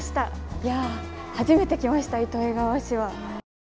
いや初めて来ました糸魚川市は。